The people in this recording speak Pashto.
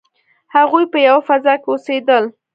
هغوی په یوه فضا کې اوسیدل.